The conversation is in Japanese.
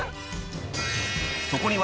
［そこには］